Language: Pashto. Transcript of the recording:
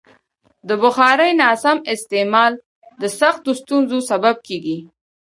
د بخارۍ ناسم استعمال د سختو ستونزو سبب کېږي.